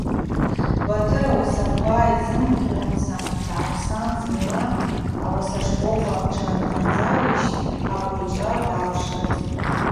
Батыр ауасаква йзымкӏуамца дгӏапсан, зынла ауаса шкӏвокӏва тшаназауищт аквайчӏва даквшватӏ.